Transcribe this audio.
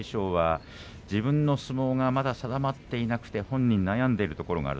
自分の相撲がまだ定まっていなくて本人も悩んでいる。